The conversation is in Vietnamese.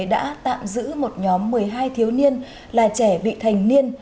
đã tạm giữ một nhóm một mươi hai thiếu niên là trẻ bị thanh niên